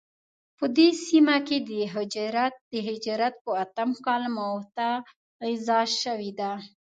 په دې سیمه کې د هجرت په اتم کال موته غزا شوې ده.